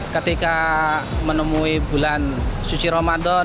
ketika menemui bulan suci ramadan